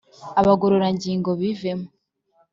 abagororangingo bivemo